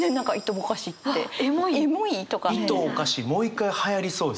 いとをかしもう一回はやりそうですよね。